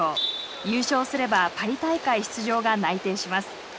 優勝すればパリ大会出場が内定します。